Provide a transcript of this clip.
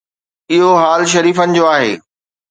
اهو حال شريفن جو آهي.